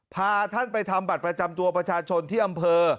พาท่านไปทำบัตรประจำตัวประชาชนที่อำเภอ